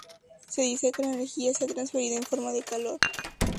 Se dice que la energía se ha transferido en forma de calor.